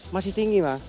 masih tinggi bang